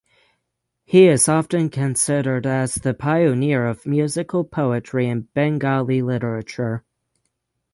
He is often considered as the pioneer of musical poetry in Bengali literature.